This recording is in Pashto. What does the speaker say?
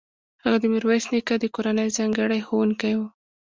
هغه د میرویس نیکه د کورنۍ ځانګړی ښوونکی و.